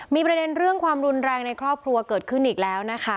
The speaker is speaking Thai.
มีประเด็นเรื่องความรุนแรงในครอบครัวเกิดขึ้นอีกแล้วนะคะ